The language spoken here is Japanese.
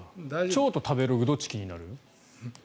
腸と食べログどっちが気になる？